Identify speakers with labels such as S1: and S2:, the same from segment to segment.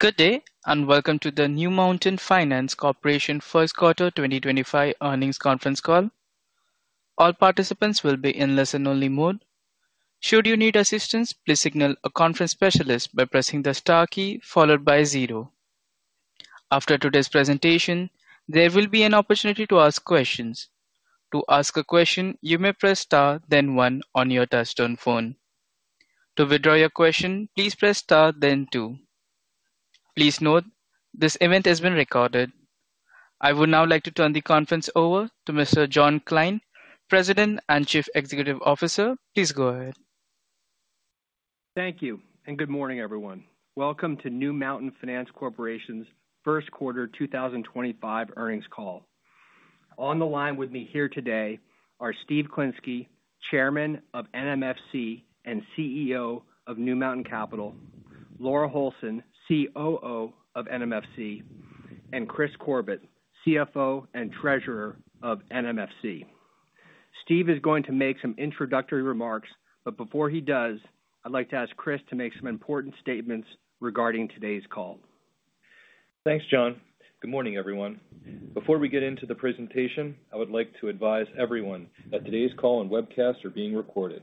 S1: Good day, and welcome to the New Mountain Finance Corporation First Quarter 2025 Earnings Conference Call. All participants will be in listen-only mode. Should you need assistance, please signal a conference specialist by pressing the star key followed by zero. After today's presentation, there will be an opportunity to ask questions. To ask a question, you may press star, then one, on your touch-tone phone. To withdraw your question, please press star, then two. Please note, this event has been recorded. I would now like to turn the conference over to Mr. John Kline, President and Chief Executive Officer. Please go ahead.
S2: Thank you, and good morning, everyone. Welcome to New Mountain Finance Corporation's First Quarter 2025 Earnings Call. On the line with me here today are Steve Klinsky, Chairman of NMFC and CEO of New Mountain Capital, Laura Holson, COO of NMFC, and Kris Corbett, CFO and Treasurer of NMFC. Steve is going to make some introductory remarks, but before he does, I'd like to ask Kris to make some important statements regarding today's call.
S3: Thanks, John. Good morning, everyone. Before we get into the presentation, I would like to advise everyone that today's call and webcasts are being recorded.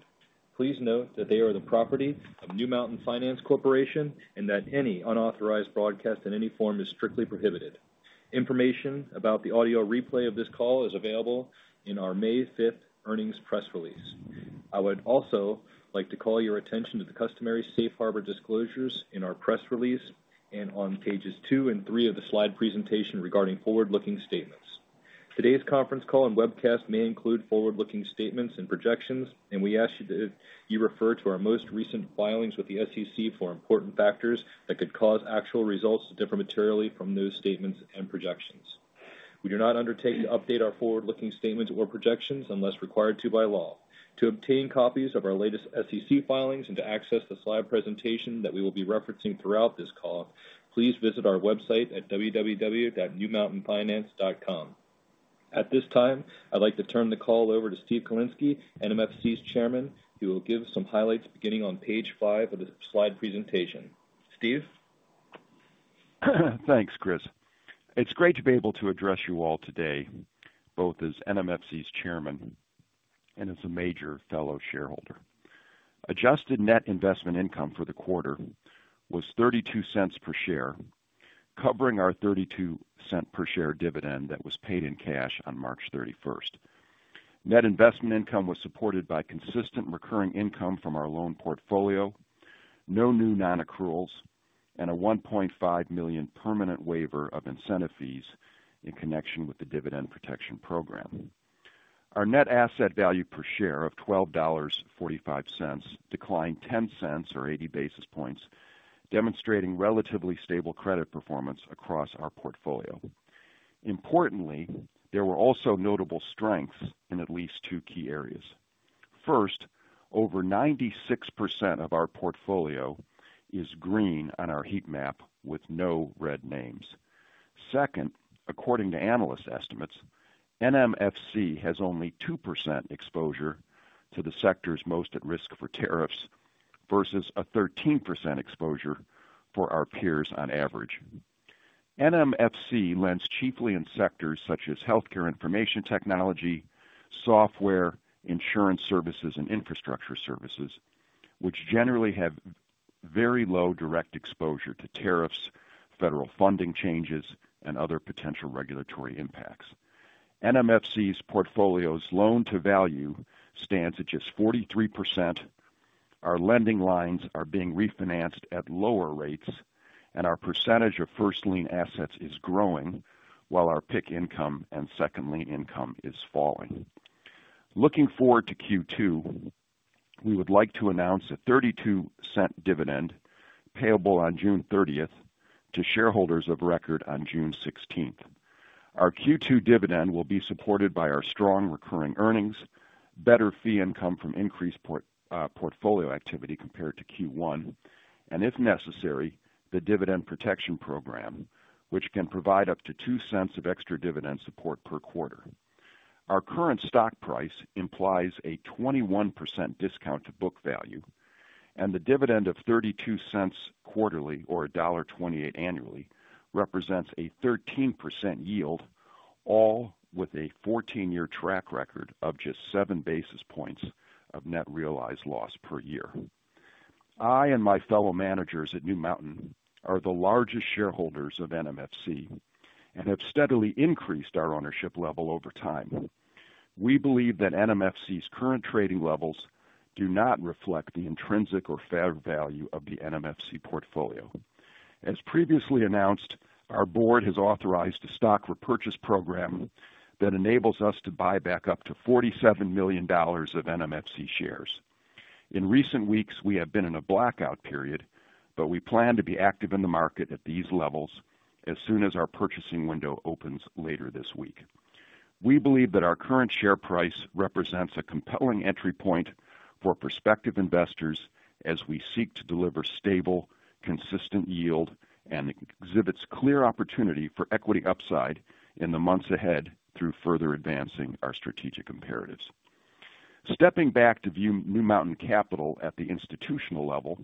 S3: Please note that they are the property of New Mountain Finance Corporation and that any unauthorized broadcast in any form is strictly prohibited. Information about the audio replay of this call is available in our May 5th earnings press release. I would also like to call your attention to the customary safe harbor disclosures in our press release and on pages two and three of the slide presentation regarding forward-looking statements. Today's conference call and webcast may include forward-looking statements and projections, and we ask that you refer to our most recent filings with the SEC for important factors that could cause actual results to differ materially from those statements and projections. We do not undertake to update our forward-looking statements or projections unless required to by law. To obtain copies of our latest SEC filings and to access the slide presentation that we will be referencing throughout this call, please visit our website at www.newmountainfinance.com. At this time, I'd like to turn the call over to Steve Klinsky, NMFC's Chairman, who will give some highlights beginning on page five of the slide presentation. Steve?
S4: Thanks, Kris. It's great to be able to address you all today, both as NMFC's Chairman and as a major fellow shareholder. Adjusted net investment income for the quarter was $0.32 per share, covering our $0.32 per share dividend that was paid in cash on March 31. Net investment income was supported by consistent recurring income from our loan portfolio, no new non-accruals, and a $1.5 million permanent waiver of incentive fees in connection with the dividend protection program. Our net asset value per share of $12.45 declined $0.10 or 80 basis points, demonstrating relatively stable credit performance across our portfolio. Importantly, there were also notable strengths in at least two key areas. First, over 96% of our portfolio is green on our heat map with no red names. Second, according to analyst estimates, NMFC has only 2% exposure to the sectors most at risk for tariffs versus a 13% exposure for our peers on average. NMFC lends chiefly in sectors such as healthcare information technology, software, insurance services, and infrastructure services, which generally have very low direct exposure to tariffs, federal funding changes, and other potential regulatory impacts. NMFC's portfolio's loan-to-value stands at just 43%. Our lending lines are being refinanced at lower rates, and our percentage of first lien assets is growing, while our PIK income and second lien income is falling. Looking forward to Q2, we would like to announce a $0.32 dividend payable on June 30 to shareholders of record on June 16. Our Q2 dividend will be supported by our strong recurring earnings, better fee income from increased portfolio activity compared to Q1, and, if necessary, the dividend protection program, which can provide up to $0.02 of extra dividend support per quarter. Our current stock price implies a 21% discount to book value, and the dividend of $0.32 quarterly or $1.28 annually represents a 13% yield, all with a 14-year track record of just 7 basis points of net realized loss per year. I and my fellow managers at New Mountain are the largest shareholders of NMFC and have steadily increased our ownership level over time. We believe that NMFC's current trading levels do not reflect the intrinsic or fair value of the NMFC portfolio. As previously announced, our board has authorized a stock repurchase program that enables us to buy back up to $47 million of NMFC shares. In recent weeks, we have been in a blackout period, but we plan to be active in the market at these levels as soon as our purchasing window opens later this week. We believe that our current share price represents a compelling entry point for prospective investors as we seek to deliver stable, consistent yield and exhibits clear opportunity for equity upside in the months ahead through further advancing our strategic imperatives. Stepping back to view New Mountain Capital at the institutional level,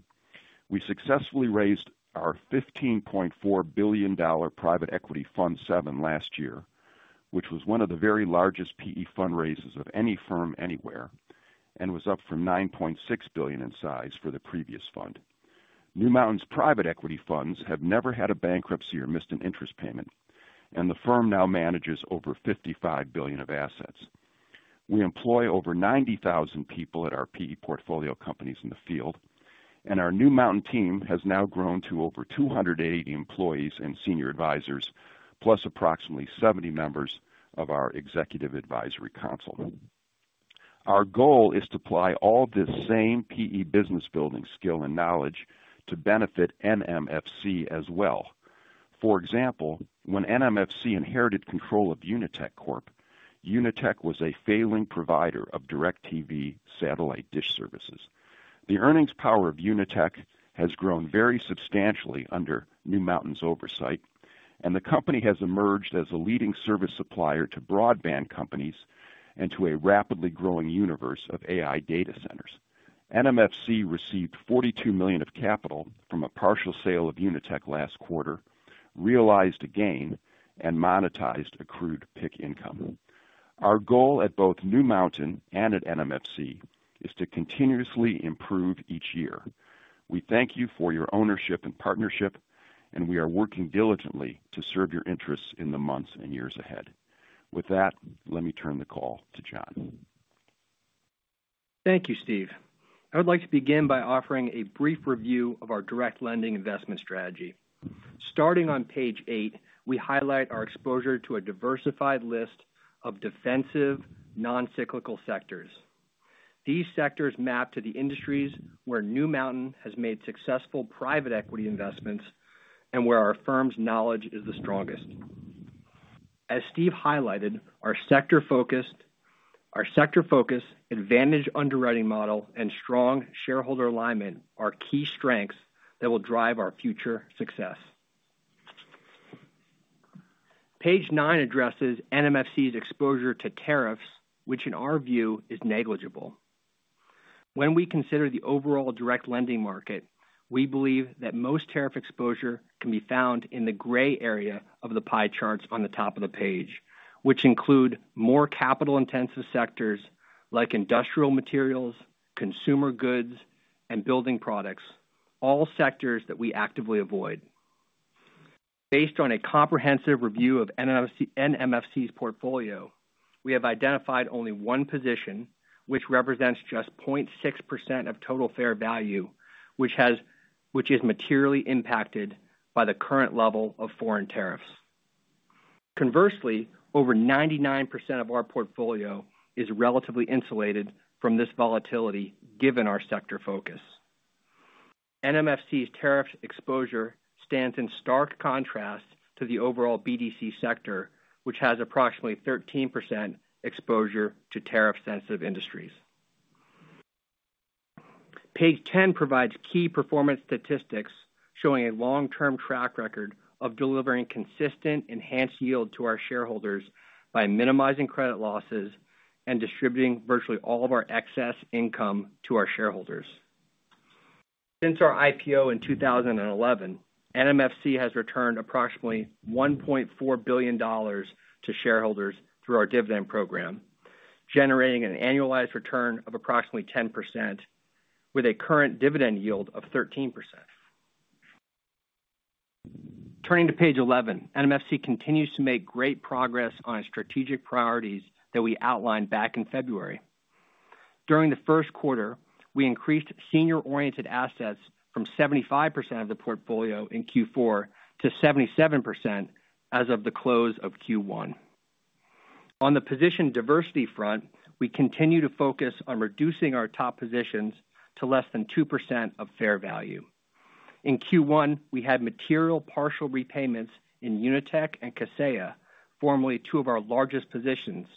S4: we successfully raised our $15.4 billion Private Equity Fund VII last year, which was one of the very largest PE fundraisers of any firm anywhere and was up from $9.6 billion in size for the previous fund. New Mountain's private equity funds have never had a bankruptcy or missed an interest payment, and the firm now manages over $55 billion of assets. We employ over 90,000 people at our PE portfolio companies in the field, and our New Mountain team has now grown to over 280 employees and senior advisors, plus approximately 70 members of our executive advisory council. Our goal is to apply all the same PE business-building skill and knowledge to benefit NMFC as well. For example, when NMFC inherited control of UniTech Corp, UniTech was a failing provider of DirecTV satellite dish services. The earnings power of UniTech has grown very substantially under New Mountain's oversight, and the company has emerged as a leading service supplier to broadband companies and to a rapidly growing universe of AI data centers. NMFC received $42 million of capital from a partial sale of UniTech last quarter, realized a gain, and monetized accrued PIK-income. Our goal at both New Mountain and at NMFC is to continuously improve each year. We thank you for your ownership and partnership, and we are working diligently to serve your interests in the months and years ahead. With that, let me turn the call to John.
S2: Thank you, Steve. I would like to begin by offering a brief review of our direct lending investment strategy. Starting on page eight, we highlight our exposure to a diversified list of defensive, non-cyclical sectors. These sectors map to the industries where New Mountain has made successful private equity investments and where our firm's knowledge is the strongest. As Steve highlighted, our sector-focused advantage underwriting model and strong shareholder alignment are key strengths that will drive our future success. Page nine addresses NMFC's exposure to tariffs, which in our view is negligible. When we consider the overall direct lending market, we believe that most tariff exposure can be found in the gray area of the pie charts on the top of the page, which include more capital-intensive sectors like industrial materials, consumer goods, and building products, all sectors that we actively avoid. Based on a comprehensive review of NMFC's portfolio, we have identified only one position, which represents just 0.6% of total fair value, which is materially impacted by the current level of foreign tariffs. Conversely, over 99% of our portfolio is relatively insulated from this volatility given our sector focus. NMFC's tariff exposure stands in stark contrast to the overall BDC sector, which has approximately 13% exposure to tariff-sensitive industries. Page 10 provides key performance statistics showing a long-term track record of delivering consistent enhanced yield to our shareholders by minimizing credit losses and distributing virtually all of our excess income to our shareholders. Since our IPO in 2011, NMFC has returned approximately $1.4 billion to shareholders through our dividend program, generating an annualized return of approximately 10% with a current dividend yield of 13%. Turning to page 11, NMFC continues to make great progress on its strategic priorities that we outlined back in February. During the first quarter, we increased senior-oriented assets from 75% of the portfolio in Q4 to 77% as of the close of Q1. On the position diversity front, we continue to focus on reducing our top positions to less than 2% of fair value. In Q1, we had material partial repayments in UniTech and Kaseya, formerly two of our largest positions,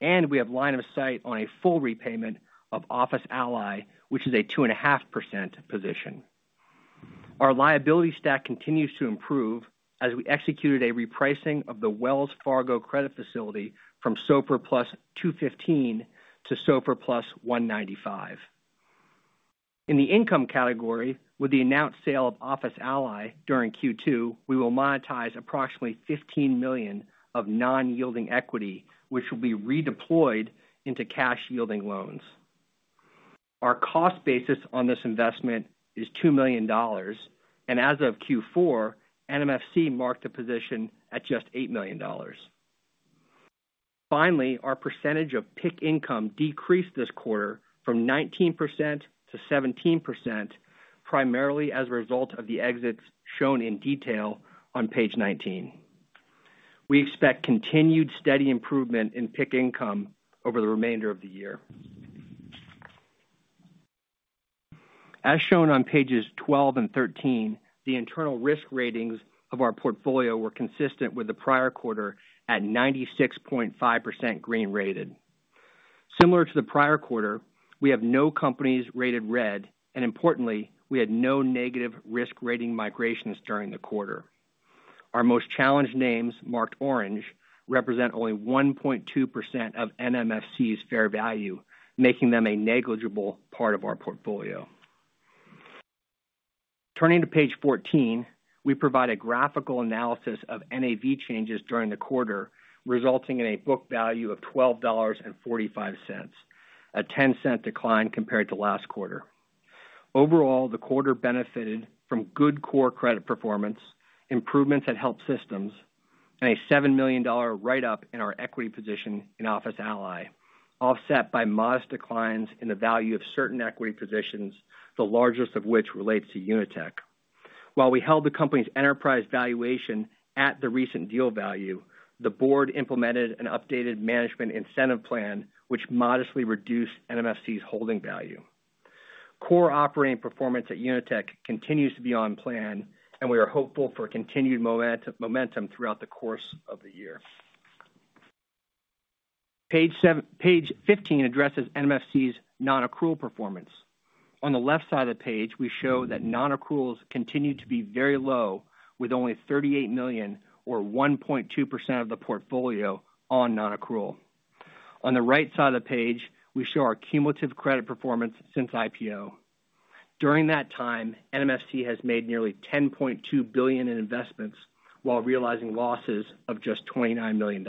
S2: and we have line of sight on a full repayment of Office Ally, which is a 2.5% position. Our liability stack continues to improve as we executed a repricing of the Wells Fargo credit facility from SOFR Plus 215 to SOFR Plus 195. In the income category, with the announced sale of Office Ally during Q2, we will monetize approximately $15 million of non-yielding equity, which will be redeployed into cash-yielding loans. Our cost basis on this investment is $2 million, and as of Q4, NMFC marked a position at just $8 million. Finally, our percentage of PIK income decreased this quarter from 19%-17%, primarily as a result of the exits shown in detail on page 19. We expect continued steady improvement in PIK income over the remainder of the year. As shown on pages 12 and 13, the internal risk ratings of our portfolio were consistent with the prior quarter at 96.5% green rated. Similar to the prior quarter, we have no companies rated red, and importantly, we had no negative risk rating migrations during the quarter. Our most challenged names, marked orange, represent only 1.2% of NMFC's fair value, making them a negligible part of our portfolio. Turning to page 14, we provide a graphical analysis of NAV changes during the quarter, resulting in a book value of $12.45, a $0.10 decline compared to last quarter. Overall, the quarter benefited from good core credit performance, improvements at health systems, and a $7 million write-up in our equity position in Office Ally, offset by modest declines in the value of certain equity positions, the largest of which relates to UniTech. While we held the company's enterprise valuation at the recent deal value, the board implemented an updated management incentive plan, which modestly reduced NMFC's holding value. Core operating performance at UniTech continues to be on plan, and we are hopeful for continued momentum throughout the course of the year. Page 15 addresses NMFC's non-accrual performance. On the left side of the page, we show that non-accruals continue to be very low, with only $38 million, or 1.2% of the portfolio, on non-accrual. On the right side of the page, we show our cumulative credit performance since IPO. During that time, NMFC has made nearly $10.2 billion in investments while realizing losses of just $29 million.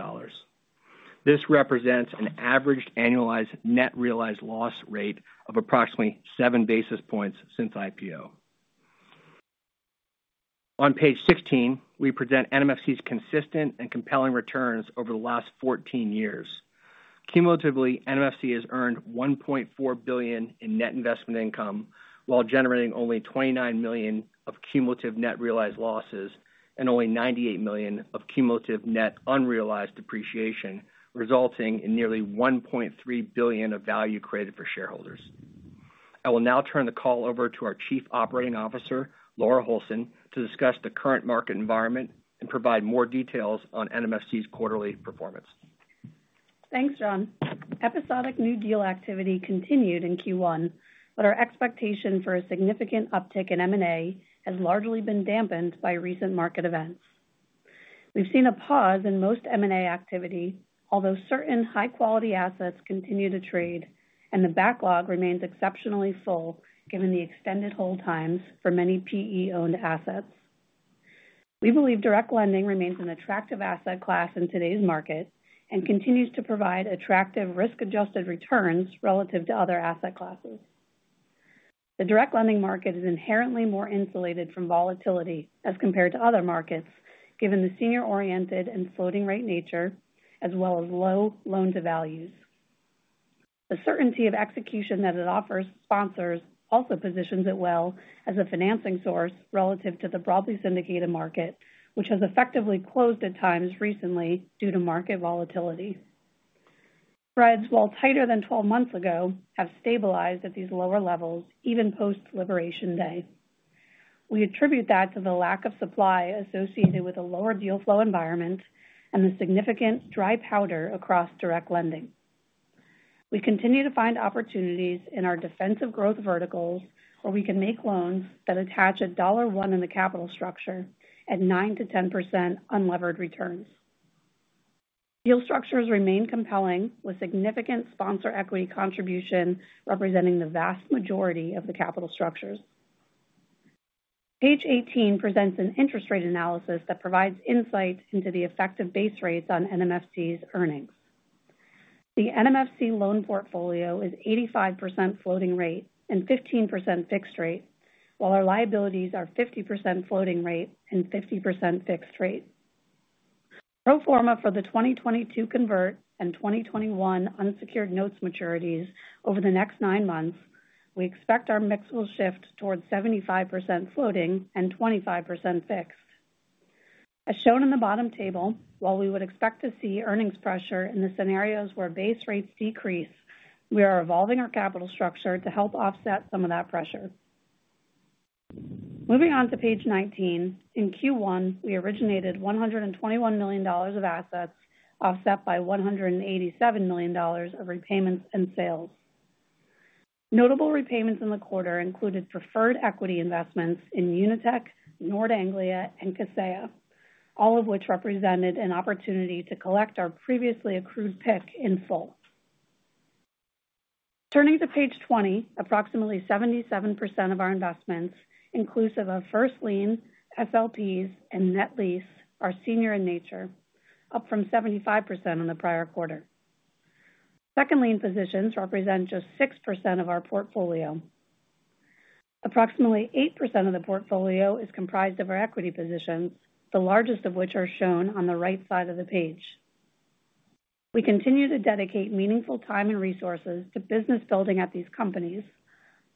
S2: This represents an averaged annualized net realized loss rate of approximately 7 basis points since IPO. On page 16, we present NMFC's consistent and compelling returns over the last 14 years. Cumulatively, NMFC has earned $1.4 billion in net investment income while generating only $29 million of cumulative net realized losses and only $98 million of cumulative net unrealized depreciation, resulting in nearly $1.3 billion of value created for shareholders. I will now turn the call over to our Chief Operating Officer, Laura Holson, to discuss the current market environment and provide more details on NMFC's quarterly performance.
S5: Thanks, John. Episodic new deal activity continued in Q1, but our expectation for a significant uptick in M&A has largely been dampened by recent market events. We've seen a pause in most M&A activity, although certain high-quality assets continue to trade, and the backlog remains exceptionally full given the extended hold times for many PE-owned assets. We believe direct lending remains an attractive asset class in today's market and continues to provide attractive risk-adjusted returns relative to other asset classes. The direct lending market is inherently more insulated from volatility as compared to other markets, given the senior-oriented and floating-rate nature, as well as low loan-to-values. The certainty of execution that it offers sponsors also positions it well as a financing source relative to the broadly syndicated market, which has effectively closed at times recently due to market volatility. Threads, while tighter than 12 months ago, have stabilized at these lower levels even post-liberation day. We attribute that to the lack of supply associated with a lower deal flow environment and the significant dry powder across direct lending. We continue to find opportunities in our defensive growth verticals where we can make loans that attach a $1 in the capital structure at 9%-10% unlevered returns. Deal structures remain compelling, with significant sponsor equity contribution representing the vast majority of the capital structures. Page 18 presents an interest rate analysis that provides insight into the effective base rates on NMFC's earnings. The NMFC loan portfolio is 85% floating rate and 15% fixed rate, while our liabilities are 50% floating rate and 50% fixed rate. Pro forma for the 2022 convert and 2021 unsecured notes maturities over the next nine months, we expect our mix will shift toward 75% floating and 25% fixed. As shown in the bottom table, while we would expect to see earnings pressure in the scenarios where base rates decrease, we are evolving our capital structure to help offset some of that pressure. Moving on to page 19, in Q1, we originated $121 million of assets, offset by $187 million of repayments and sales. Notable repayments in the quarter included preferred equity investments in UniTech, Nord Anglia, and Kaseya, all of which represented an opportunity to collect our previously accrued PIK in full. Turning to page 20, approximately 77% of our investments, inclusive of first lien, SLPs, and net lease, are senior in nature, up from 75% in the prior quarter. Second lien positions represent just 6% of our portfolio. Approximately 8% of the portfolio is comprised of our equity positions, the largest of which are shown on the right side of the page. We continue to dedicate meaningful time and resources to business building at these companies,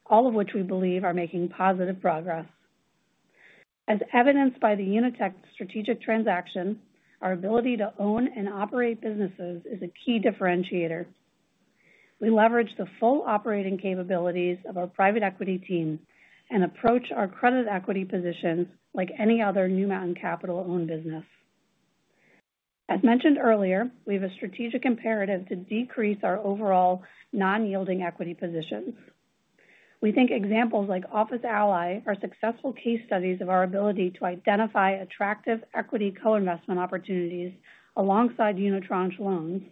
S5: all of which we believe are making positive progress. As evidenced by the UniTech strategic transaction, our ability to own and operate businesses is a key differentiator. We leverage the full operating capabilities of our private equity team and approach our credit equity positions like any other New Mountain Capital-owned business. As mentioned earlier, we have a strategic imperative to decrease our overall non-yielding equity positions. We think examples like Office Ally are successful case studies of our ability to identify attractive equity co-investment opportunities alongside unitranche loans,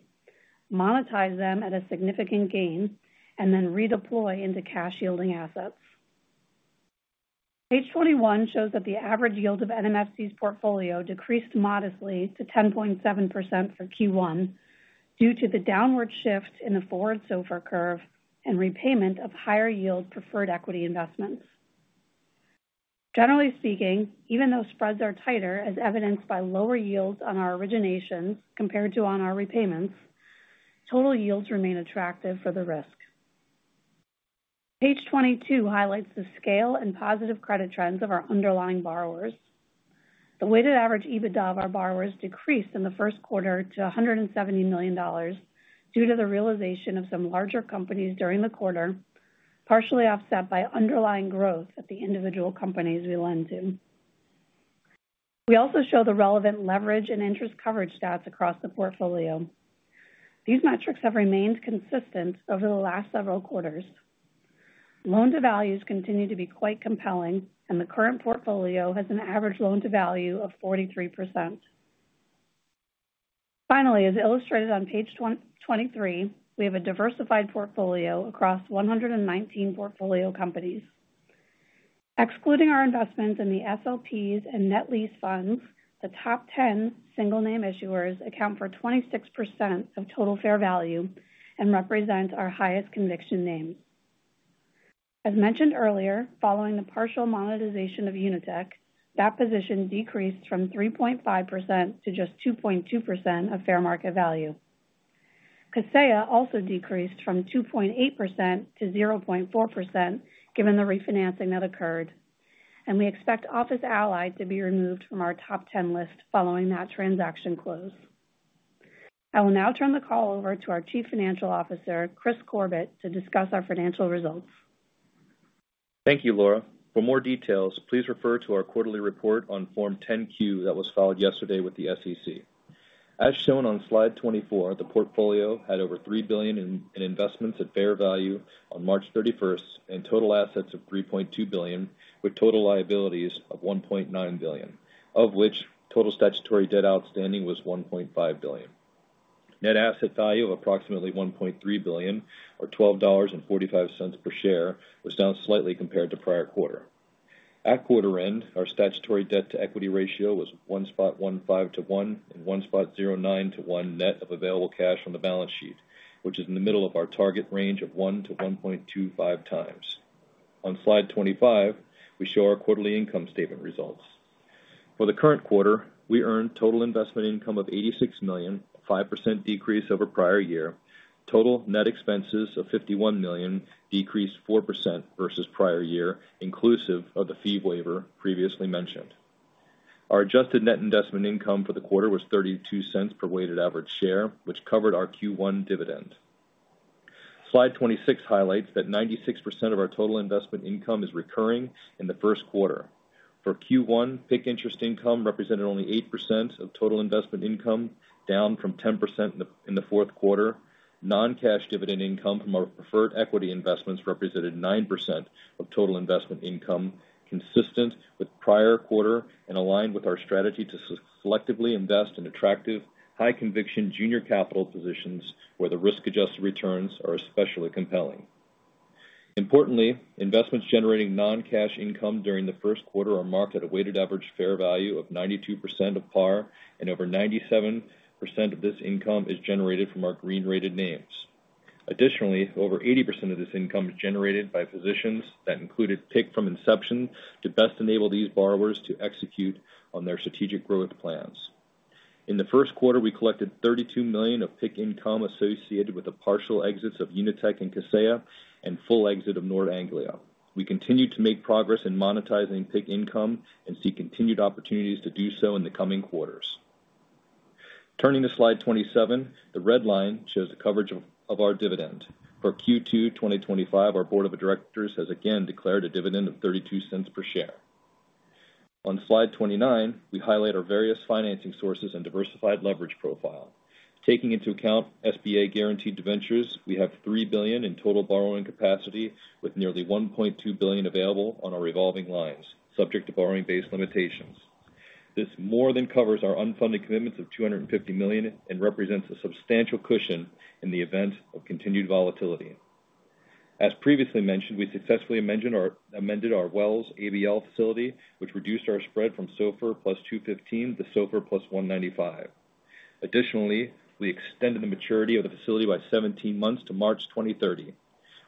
S5: monetize them at a significant gain, and then redeploy into cash-yielding assets. Page 21 shows that the average yield of NMFC's portfolio decreased modestly to 10.7% for Q1 due to the downward shift in the forward SOFR curve and repayment of higher-yield preferred equity investments. Generally speaking, even though spreads are tighter, as evidenced by lower yields on our originations compared to on our repayments, total yields remain attractive for the risk. Page 22 highlights the scale and positive credit trends of our underlying borrowers. The weighted average EBITDA of our borrowers decreased in the first quarter to $170 million due to the realization of some larger companies during the quarter, partially offset by underlying growth at the individual companies we lend to. We also show the relevant leverage and interest coverage stats across the portfolio. These metrics have remained consistent over the last several quarters. Loan-to-values continue to be quite compelling, and the current portfolio has an average loan-to-value of 43%. Finally, as illustrated on page 23, we have a diversified portfolio across 119 portfolio companies. Excluding our investments in the SLPs and net lease funds, the top 10 single-name issuers account for 26% of total fair value and represent our highest conviction name. As mentioned earlier, following the partial monetization of UniTech, that position decreased from 3.5% to just 2.2% of fair market value. Kaseya also decreased from 2.8% to 0.4% given the refinancing that occurred, and we expect Office Ally to be removed from our top 10 list following that transaction close. I will now turn the call over to our Chief Financial Officer, Kris Corbett, to discuss our financial results.
S3: Thank you, Laura. For more details, please refer to our quarterly report on Form 10-Q that was filed yesterday with the SEC. As shown on slide 24, the portfolio had over $3 billion in investments at fair value on March 31 and total assets of $3.2 billion, with total liabilities of $1.9 billion, of which total statutory debt outstanding was $1.5 billion. Net asset value of approximately $1.3 billion, or $12.45 per share, was down slightly compared to prior quarter. At quarter end, our statutory debt-to-equity ratio was 1.15 to 1 and 1.09 to 1 net of available cash on the balance sheet, which is in the middle of our target range of 1 to 1.25 times. On slide 25, we show our quarterly income statement results. For the current quarter, we earned total investment income of $86 million, a 5% decrease over prior year. Total net expenses of $51 million decreased 4% versus prior year, inclusive of the fee waiver previously mentioned. Our adjusted net investment income for the quarter was $0.32 per weighted average share, which covered our Q1 dividend. Slide 26 highlights that 96% of our total investment income is recurring in the first quarter. For Q1, PIK interest income represented only 8% of total investment income, down from 10% in the fourth quarter. Non-cash dividend income from our preferred equity investments represented 9% of total investment income, consistent with prior quarter and aligned with our strategy to selectively invest in attractive, high-conviction junior capital positions where the risk-adjusted returns are especially compelling. Importantly, investments generating non-cash income during the first quarter are marked at a weighted average fair value of 92% of par, and over 97% of this income is generated from our green-rated names. Additionally, over 80% of this income is generated by positions that included PIK from inception to best enable these borrowers to execute on their strategic growth plans. In the first quarter, we collected $32 million of PIK income associated with the partial exits of UniTech and Kaseya and full exit of Nord Anglia. We continue to make progress in monetizing PIK income and see continued opportunities to do so in the coming quarters. Turning to slide 27, the red line shows the coverage of our dividend. For Q2 2025, our Board of Directors has again declared a dividend of $0.32 per share. On slide 29, we highlight our various financing sources and diversified leverage profile. Taking into account SBA Guaranteed Ventures, we have $3 billion in total borrowing capacity, with nearly $1.2 billion available on our revolving lines, subject to borrowing-based limitations. This more than covers our unfunded commitments of $250 million and represents a substantial cushion in the event of continued volatility. As previously mentioned, we successfully amended our Wells ABL facility, which reduced our spread from SOFR plus 215 to SOFR plus 195. Additionally, we extended the maturity of the facility by 17 months to March 2030.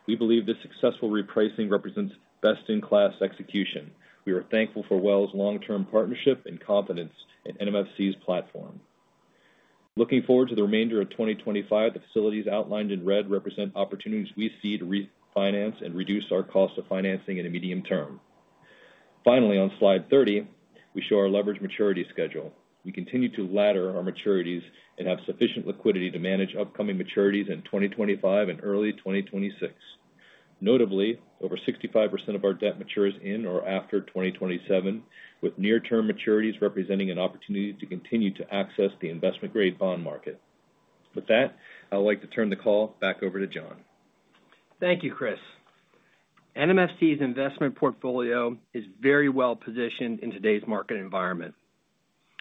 S3: We believe this successful repricing represents best-in-class execution. We are thankful for Wells' long-term partnership and confidence in NMFC's platform. Looking forward to the remainder of 2025, the facilities outlined in red represent opportunities we see to refinance and reduce our cost of financing in the medium term. Finally, on slide 30, we show our leverage maturity schedule. We continue to ladder our maturities and have sufficient liquidity to manage upcoming maturities in 2025 and early 2026. Notably, over 65% of our debt matures in or after 2027, with near-term maturities representing an opportunity to continue to access the investment-grade bond market. With that, I would like to turn the call back over to John.
S2: Thank you, Kris. NMFC's investment portfolio is very well positioned in today's market environment.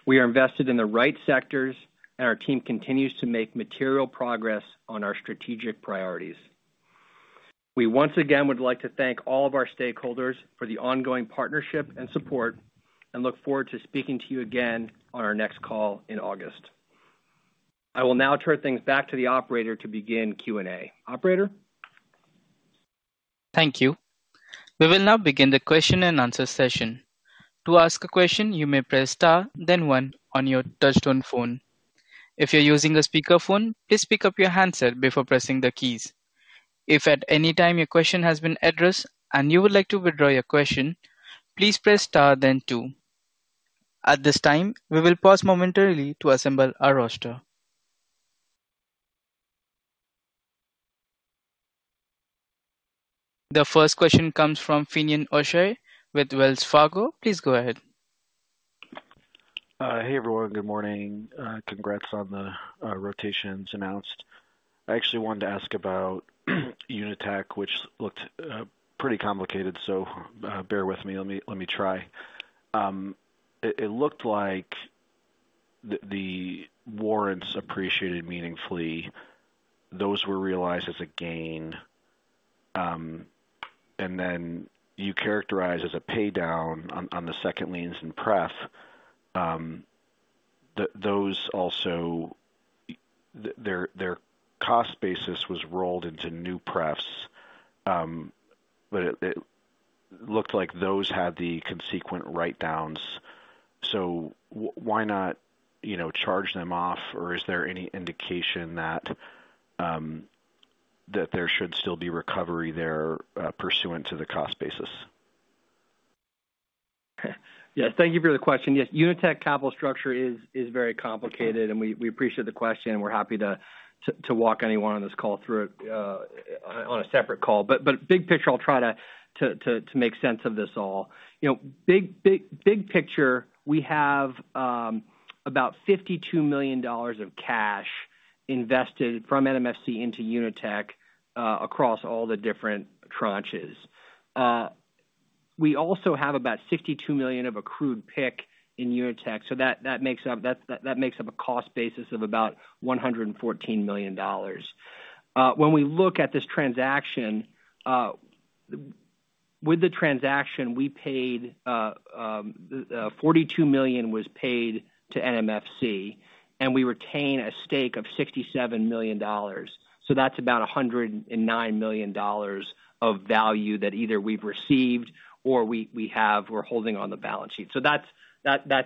S2: We are invested in the right sectors, and our team continues to make material progress on our strategic priorities. We once again would like to thank all of our stakeholders for the ongoing partnership and support and look forward to speaking to you again on our next call in August. I will now turn things back to the operator to begin Q&A. Operator?
S1: Thank you. We will now begin the question and answer session. To ask a question, you may press Star, then one on your touch-tone phone. If you're using a speakerphone, please pick up your handset before pressing the keys. If at any time your question has been addressed and you would like to withdraw your question, please press Star, then two. At this time, we will pause momentarily to assemble our roster. The first question comes from Finian O'Shea with Wells Fargo. Please go ahead.
S6: Hey, everyone. Good morning. Congrats on the rotations announced. I actually wanted to ask about UniTech, which looked pretty complicated, so bear with me. Let me try. It looked like the warrants appreciated meaningfully. Those were realized as a gain. You characterized as a paydown on the second liens and prefs. Those also, their cost basis was rolled into new prefs, but it looked like those had the consequent write-downs. Why not charge them off, or is there any indication that there should still be recovery there pursuant to the cost basis?
S2: Yes. Thank you for the question. Yes, UniTech capital structure is very complicated, and we appreciate the question. We're happy to walk anyone on this call through it on a separate call. Big picture, I'll try to make sense of this all. Big picture, we have about $52 million of cash invested from NMFC into UniTech across all the different tranches. We also have about $62 million of accrued PIK in UniTech, so that makes up a cost basis of about $114 million. When we look at this transaction, with the transaction, we paid $42 million was paid to NMFC, and we retain a stake of $67 million. That's about $109 million of value that either we've received or we're holding on the balance sheet. That's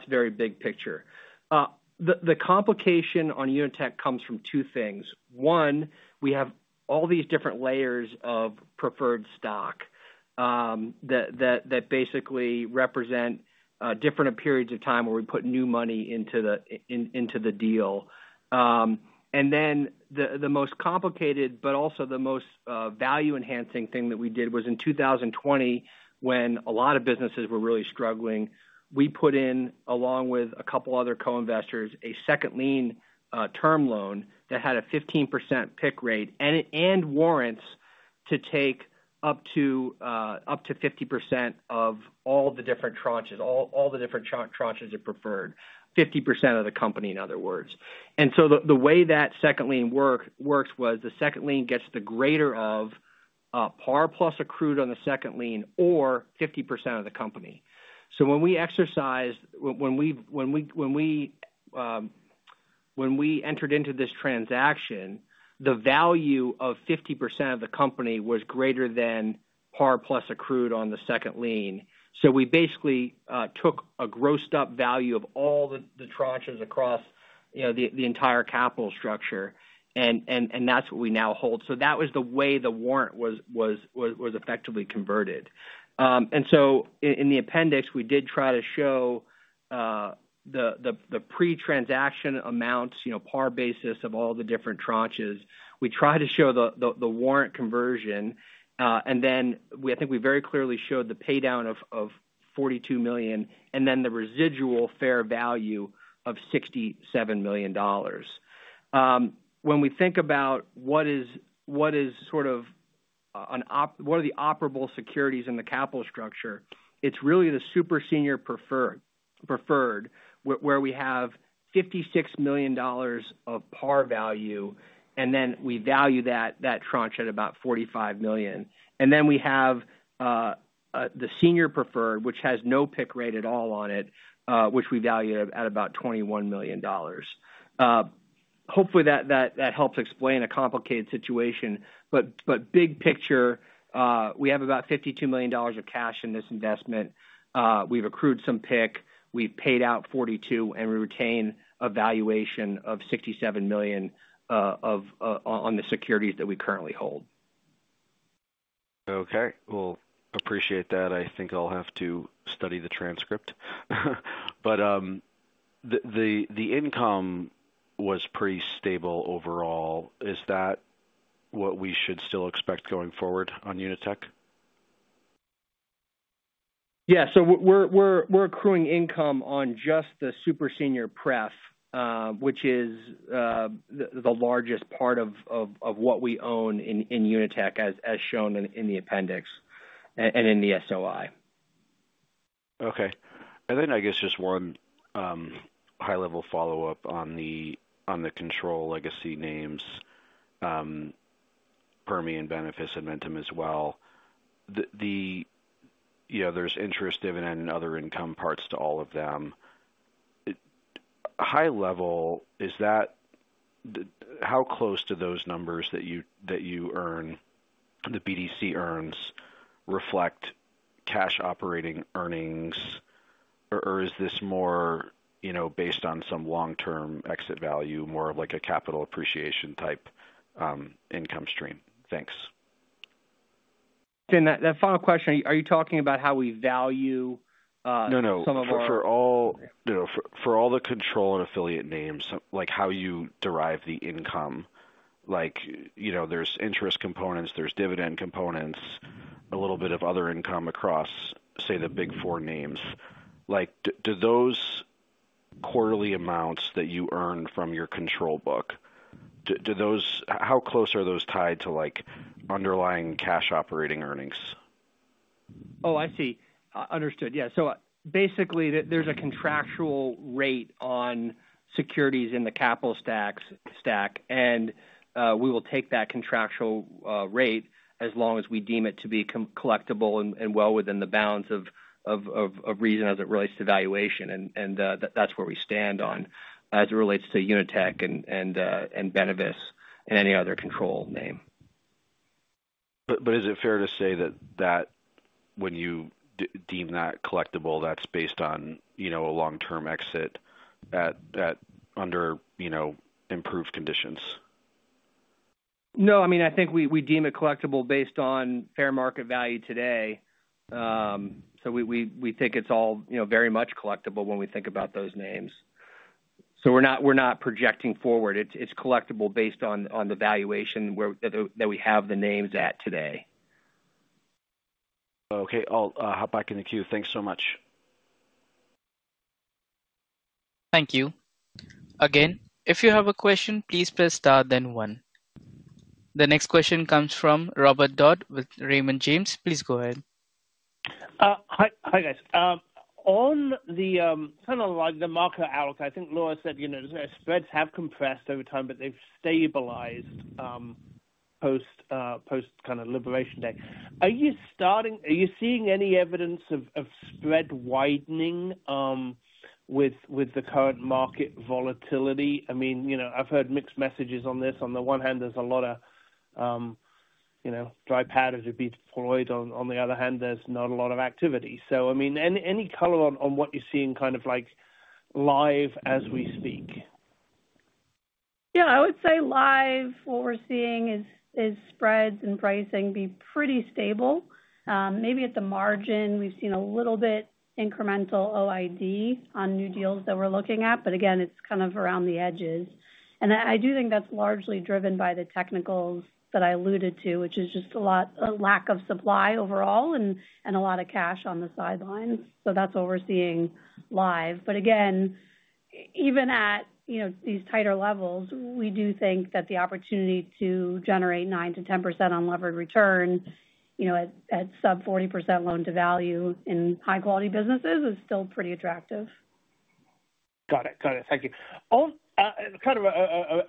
S2: very big picture. The complication on UniTech comes from two things. One, we have all these different layers of preferred stock that basically represent different periods of time where we put new money into the deal. The most complicated, but also the most value-enhancing thing that we did was in 2020, when a lot of businesses were really struggling, we put in, along with a couple of other co-investors, a second lien term loan that had a 15% PIK rate and warrants to take up to 50% of all the different tranches, all the different tranches of preferred, 50% of the company, in other words. The way that second lien works was the second lien gets the greater of par plus accrued on the second lien or 50% of the company. When we exercised, when we entered into this transaction, the value of 50% of the company was greater than par plus accrued on the second lien. We basically took a grossed-up value of all the tranches across the entire capital structure, and that's what we now hold. That was the way the warrant was effectively converted. In the appendix, we did try to show the pre-transaction amounts, par basis of all the different tranches. We tried to show the warrant conversion, and then I think we very clearly showed the paydown of $42 million and then the residual fair value of $67 million. When we think about what are the operable securities in the capital structure, it's really the super senior preferred, where we have $56 million of par value, and then we value that tranche at about $45 million. We have the senior preferred, which has no PIK rate at all on it, which we value at about $21 million. Hopefully, that helps explain a complicated situation. Big picture, we have about $52 million of cash in this investment. We've accrued some PIK. We've paid out $42 million, and we retain a valuation of $67 million on the securities that we currently hold.
S6: Okay. Appreciate that. I think I'll have to study the transcript. The income was pretty stable overall. Is that what we should still expect going forward on UniTech?
S2: Yeah. We're accruing income on just the super senior pref, which is the largest part of what we own in UniTech, as shown in the appendix and in the SOI.
S6: Okay. I guess just one high-level follow-up on the control legacy names, Permee and Benefis Admentum as well. There is interest, dividend, and other income parts to all of them. High level, how close to those numbers that you earn, the BDC earns, reflect cash operating earnings, or is this more based on some long-term exit value, more of like a capital appreciation type income stream? Thanks.
S2: That final question, are you talking about how we value some of our?
S6: No, no. For all the control and affiliate names, like how you derive the income, there's interest components, there's dividend components, a little bit of other income across, say, the big four names. Do those quarterly amounts that you earn from your control book, how close are those tied to underlying cash operating earnings?
S2: Oh, I see. Understood. Yeah. Basically, there's a contractual rate on securities in the capital stack, and we will take that contractual rate as long as we deem it to be collectible and well within the bounds of reason as it relates to valuation. That's where we stand on as it relates to UniTech and Benefis and any other control name.
S6: Is it fair to say that when you deem that collectible, that's based on a long-term exit under improved conditions?
S2: No. I mean, I think we deem it collectible based on fair market value today. We think it's all very much collectible when we think about those names. We're not projecting forward. It's collectible based on the valuation that we have the names at today.
S6: Okay. I'll hop back in the queue. Thanks so much.
S1: Thank you. Again, if you have a question, please press Star, then 1. The next question comes from Robert Dodd with Raymond James. Please go ahead.
S7: Hi, guys. On the kind of like the market outlook, I think Laura said spreads have compressed over time, but they've stabilized post kind of liberation day. Are you seeing any evidence of spread widening with the current market volatility? I mean, I've heard mixed messages on this. On the one hand, there's a lot of dry powder to be deployed. On the other hand, there's not a lot of activity. I mean, any color on what you're seeing kind of like live as we speak?
S5: Yeah. I would say live, what we're seeing is spreads and pricing be pretty stable. Maybe at the margin, we've seen a little bit incremental OID on new deals that we're looking at. Again, it's kind of around the edges. I do think that's largely driven by the technicals that I alluded to, which is just a lack of supply overall and a lot of cash on the sidelines. That's what we're seeing live. Again, even at these tighter levels, we do think that the opportunity to generate 9%-10% unlevered return at sub-40% loan to value in high-quality businesses is still pretty attractive.
S7: Got it. Got it. Thank you. Kind of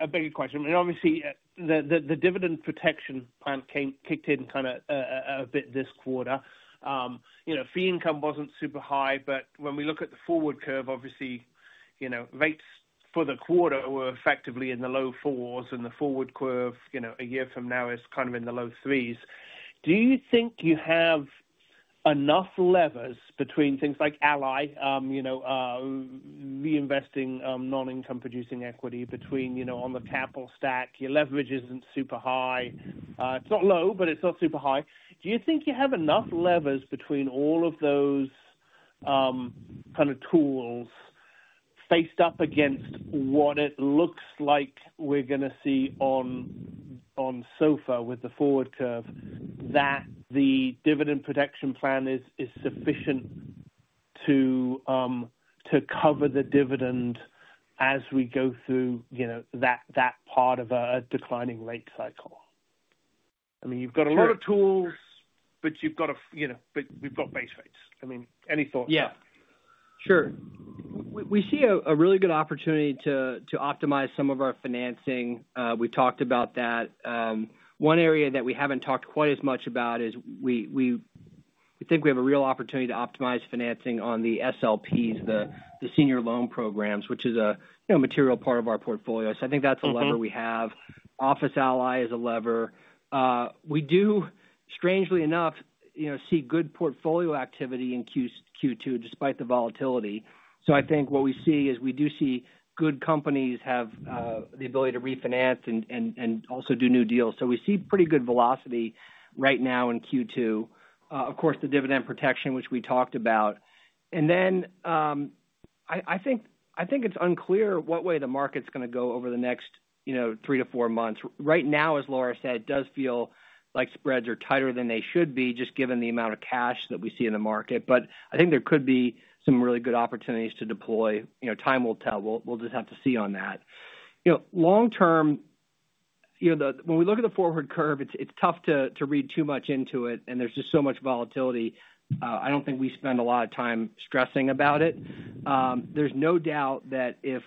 S7: a bigger question. Obviously, the dividend protection plan kicked in kind of a bit this quarter. Fee income was not super high, but when we look at the forward curve, obviously, rates for the quarter were effectively in the low fours, and the forward curve a year from now is kind of in the low threes. Do you think you have enough levers between things like Ally, reinvesting non-income-producing equity on the capital stack? Your leverage is not super high. It is not low, but it is not super high. Do you think you have enough levers between all of those kind of tools faced up against what it looks like we are going to see on SOFR with the forward curve, that the dividend protection plan is sufficient to cover the dividend as we go through that part of a declining rate cycle? I mean, you've got a lot of tools, but you've got to—we've got base rates. I mean, any thoughts?
S2: Yeah. Sure. We see a really good opportunity to optimize some of our financing. We talked about that. One area that we have not talked quite as much about is we think we have a real opportunity to optimize financing on the SLPs, the senior loan programs, which is a material part of our portfolio. I think that is a lever we have. Office Ally is a lever. We do, strangely enough, see good portfolio activity in Q2 despite the volatility. I think what we see is we do see good companies have the ability to refinance and also do new deals. We see pretty good velocity right now in Q2. Of course, the dividend protection, which we talked about. I think it is unclear what way the market is going to go over the next three to four months. Right now, as Laura said, it does feel like spreads are tighter than they should be, just given the amount of cash that we see in the market. I think there could be some really good opportunities to deploy. Time will tell. We'll just have to see on that. Long term, when we look at the forward curve, it's tough to read too much into it, and there's just so much volatility. I don't think we spend a lot of time stressing about it. There's no doubt that if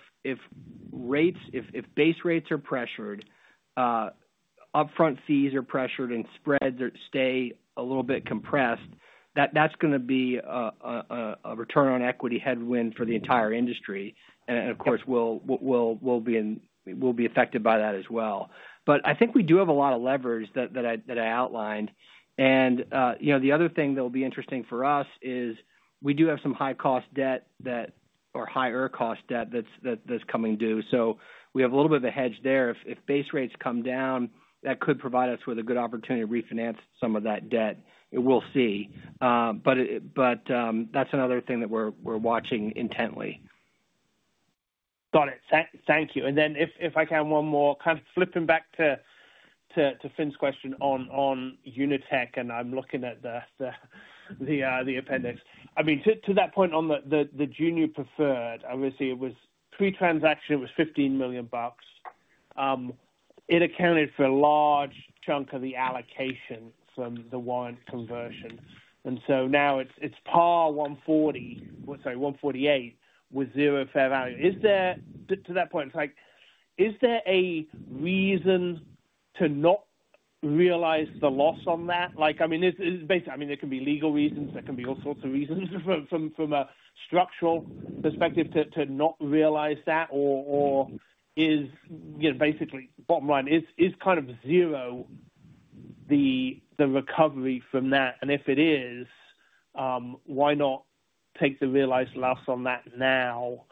S2: rates, if base rates are pressured, upfront fees are pressured, and spreads stay a little bit compressed, that's going to be a return on equity headwind for the entire industry. Of course, we'll be affected by that as well. I think we do have a lot of levers that I outlined. The other thing that will be interesting for us is we do have some high-cost debt or higher-cost debt that is coming due. We have a little bit of a hedge there. If base rates come down, that could provide us with a good opportunity to refinance some of that debt. We will see. That is another thing that we are watching intently.
S7: Got it. Thank you. If I can have one more, kind of flipping back to Fin's question on UniTech, and I'm looking at the appendix. I mean, to that point on the junior preferred, obviously, it was pre-transaction, it was $15 million. It accounted for a large chunk of the allocation from the warrant conversion. Now it's par $148 with zero fair value. To that point, is there a reason to not realize the loss on that? I mean, there can be legal reasons. There can be all sorts of reasons from a structural perspective to not realize that. Is basically, bottom line, is kind of zero the recovery from that? If it is, why not take the realized loss on that now?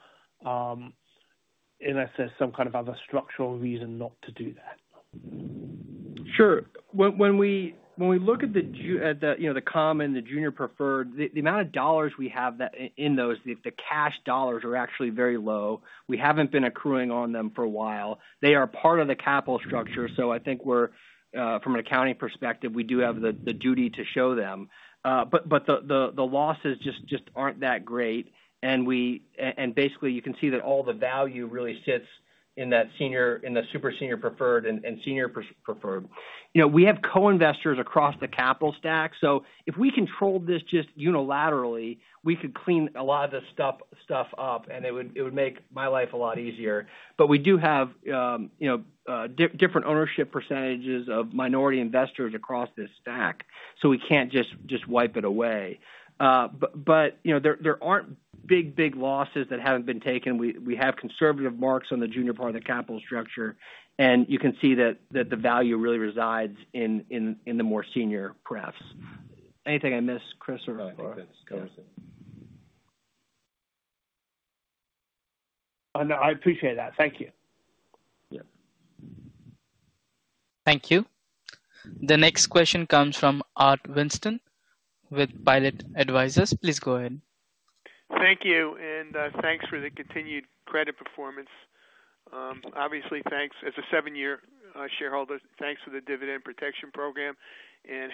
S7: Unless there's some kind of other structural reason not to do that.
S2: Sure. When we look at the common, the junior preferred, the amount of dollars we have in those, the cash dollars are actually very low. We haven't been accruing on them for a while. They are part of the capital structure. I think from an accounting perspective, we do have the duty to show them. The losses just aren't that great. Basically, you can see that all the value really sits in that super senior preferred and senior preferred. We have co-investors across the capital stack. If we controlled this just unilaterally, we could clean a lot of this stuff up, and it would make my life a lot easier. We do have different ownership percentages of minority investors across this stack, so we can't just wipe it away. There aren't big, big losses that haven't been taken. We have conservative marks on the junior part of the capital structure. You can see that the value really resides in the more senior prefs. Anything I missed, Kris or Laura?
S7: No, I appreciate that. Thank you.
S2: Yeah.
S1: Thank you. The next question comes from Art Winston with Pilot Advisors. Please go ahead.
S8: Thank you. Thanks for the continued credit performance. Obviously, thanks. As a seven-year shareholder, thanks for the dividend protection program.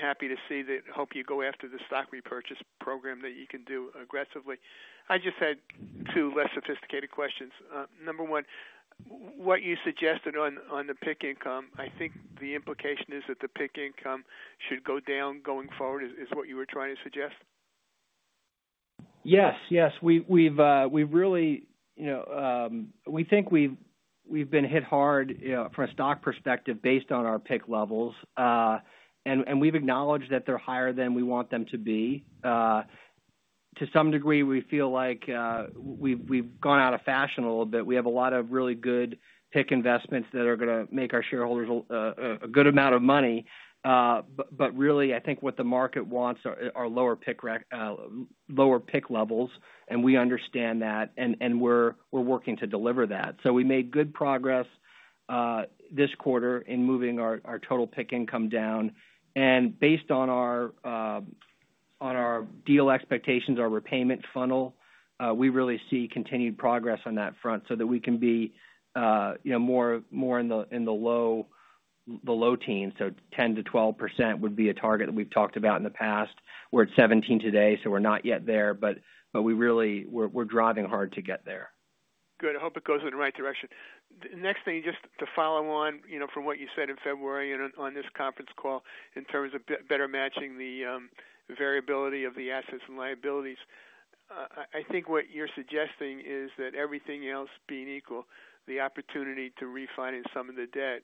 S8: Happy to see that. Hope you go after the Stock Repurchase Program that you can do aggressively. I just had two less sophisticated questions. Number one, what you suggested on the PIK income, I think the implication is that the PIK income should go down going forward, is what you were trying to suggest?
S2: Yes. Yes. We think we've been hit hard from a stock perspective based on our PIK levels. We've acknowledged that they're higher than we want them to be. To some degree, we feel like we've gone out of fashion a little bit. We have a lot of really good PIK investments that are going to make our shareholders a good amount of money. Really, I think what the market wants are lower PIK levels. We understand that. We're working to deliver that. We made good progress this quarter in moving our total PIK income down. Based on our deal expectations, our repayment funnel, we really see continued progress on that front so that we can be more in the low teens. 10%-12% would be a target that we've talked about in the past. We're at 17 today, so we're not yet there. We're driving hard to get there.
S8: Good. I hope it goes in the right direction. The next thing, just to follow on from what you said in February on this conference call in terms of better matching the variability of the assets and liabilities, I think what you're suggesting is that everything else being equal, the opportunity to refinance some of the debt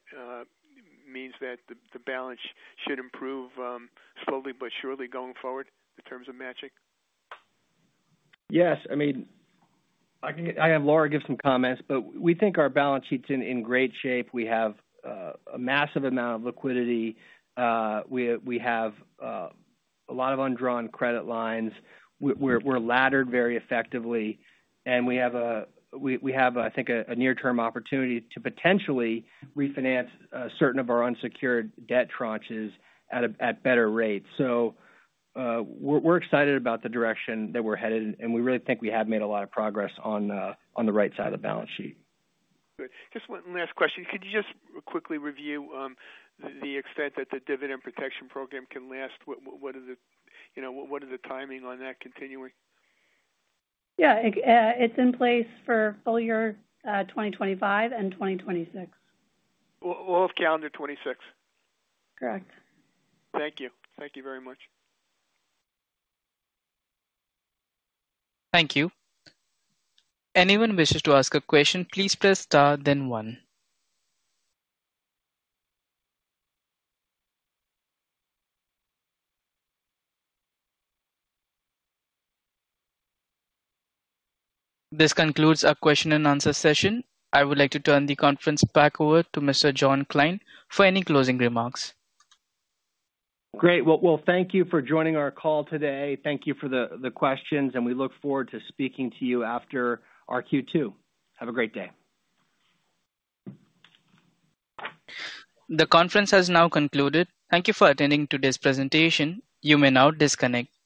S8: means that the balance should improve slowly but surely going forward in terms of matching.
S2: Yes. I mean, I have Laura give some comments, but we think our balance sheet's in great shape. We have a massive amount of liquidity. We have a lot of undrawn credit lines. We're laddered very effectively. We have, I think, a near-term opportunity to potentially refinance certain of our unsecured debt tranches at better rates. We are excited about the direction that we're headed. We really think we have made a lot of progress on the right side of the balance sheet.
S8: Good. Just one last question. Could you just quickly review the extent that the dividend protection program can last? What is the timing on that continuing?
S5: Yeah. It's in place for full year 2025 and 2026.
S8: Off calendar 2026.
S5: Correct.
S8: Thank you. Thank you very much.
S1: Thank you. Anyone wishes to ask a question, please press Star, then one. This concludes our question and answer session. I would like to turn the conference back over to Mr. John Kline for any closing remarks.
S2: Great. Thank you for joining our call today. Thank you for the questions. We look forward to speaking to you after our Q2. Have a great day.
S1: The conference has now concluded. Thank you for attending today's presentation. You may now disconnect.